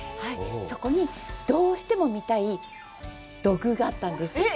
そこに、どうしても見たい土偶があったんです。